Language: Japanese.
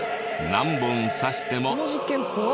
何本刺しても。